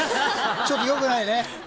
ちょっとよくないね。